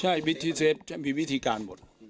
ใช่มิชีเซฟมีวิธีการหมด